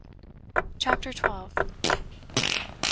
CHAPTER TWELFTH.